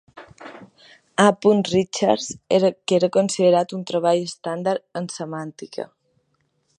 A. Richards, que era considerat un treball estàndard en semàntica.